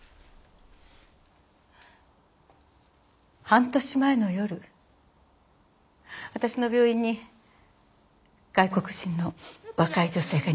半年前の夜私の病院に外国人の若い女性が逃げ込んできたの。